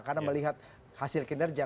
karena melihat hasil kinerja